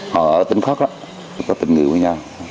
họ ở tỉnh khắc đó có tình người với nhau